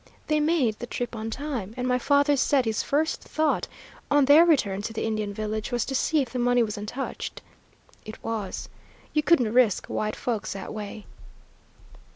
They made the trip on time, and my father said his first thought, on their return to the Indian village, was to see if the money was untouched. It was. You couldn't risk white folks that way."